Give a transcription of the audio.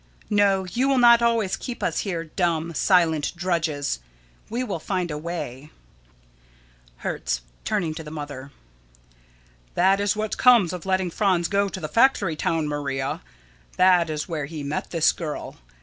No, you will not always keep us here, dumb, silent drudges. We will find a way. Hertz: [Turning to the mother.] That is what comes of letting Franz go to a factory town, Maria. That is where he met this girl.